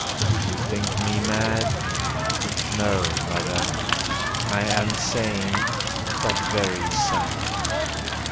Do you think me mad? No, mother; I am sane, but very sad.